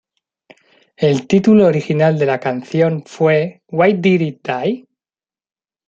El título original de la canción fue "Why Did It Die?